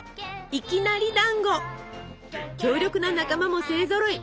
強力な仲間も勢ぞろい！